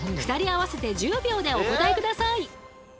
２人合わせて１０秒でお答え下さい。